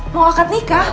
mau akad nikah